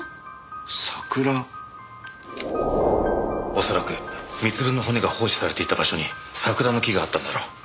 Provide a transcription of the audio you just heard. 恐らく光留の骨が放置されていた場所に桜の木があったんだろう。